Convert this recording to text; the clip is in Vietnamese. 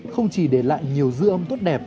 không chỉ để lại nhiều dư âm tốt đẹp